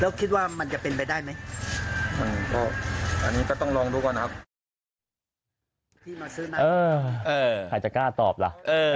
ใครจะกล้าตอบล่ะ